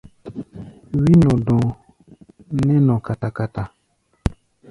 Wí-nɔ-dɔ̧ɔ̧ nɛ́ nɔ kata-kata.